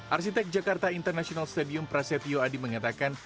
arsitek jakarta international stadium prasetyo adi mengatakan